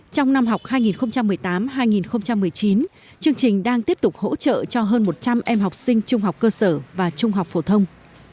trong năm học hai nghìn một mươi tám hai nghìn một mươi chín chương trình đang tiếp tục hỗ trợ cho hơn một trăm linh em học sinh trung học cơ sở và trung học phổ thông